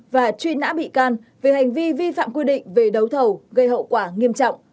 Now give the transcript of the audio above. và truy nã bị can về hành vi vi phạm quy định về đấu thầu gây hậu quả nghiêm trọng